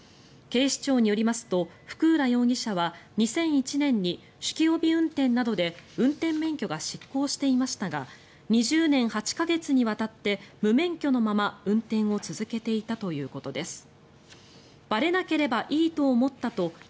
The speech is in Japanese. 警視庁によりますと福浦容疑者は２００１年に酒気帯び運転などで運転免許が失効していましたが２０年８か月にわたって無免許のまま運転を続けていたということです。